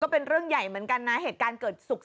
เป็นเรื่องใหญ่เหมือนกันนะเหตุการณ์เกิดศุกร์